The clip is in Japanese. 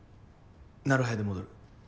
なる早で戻る。